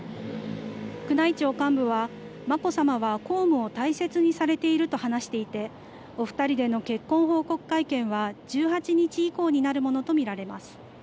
宮内庁幹部は、まこさまは公務を大切にされていると話していて、お２人での結婚報告会見は１８日以降になるものと見られます。